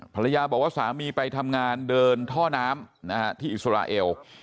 ภรรยาบอกว่าสามีไปทำงานเดินท่อน้ำที่อิสราเอล